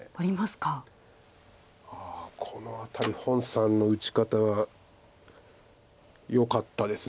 ああこの辺り洪さんの打ち方がよかったです。